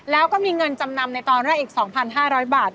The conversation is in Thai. แล้วก็มีเงินจำนำในตอนแรกอีก๒๕๐๐บาท